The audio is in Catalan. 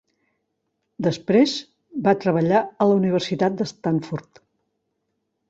Després va treballar a la Universitat de Stanford.